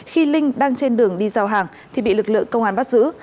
khi linh đang trên đường đi giao hàng thì bị lực lượng công an bắt giữ